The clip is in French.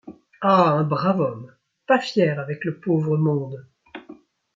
Ah ! un brave homme, pas fier avec le pauvre monde !